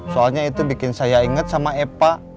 soalnya itu bikin saya ingat sama epa